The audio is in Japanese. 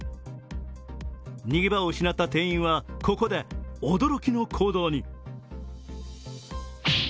逃げ場を失った店員は、ここで驚きの行動に。